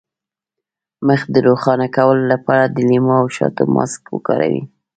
د مخ د روښانه کولو لپاره د لیمو او شاتو ماسک وکاروئ